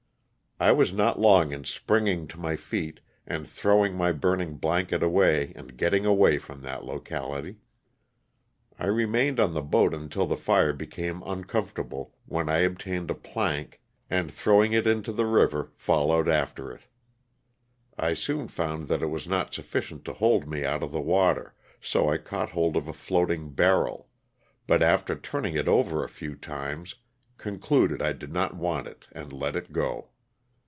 I was not long in springing to my feet and throwing my burning blanket away and getting away from that locality. I remained on the boat until the fire became uncomfortable when I obtained a plank, and throwing it into the river followed after it. I soon found that it was not sufficient to hold me out of the water bo I caught hold of a floating barrel, but after turning it over a few times concluded I did not want it and let it go.